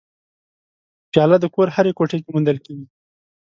پیاله د کور هرې کوټې کې موندل کېږي.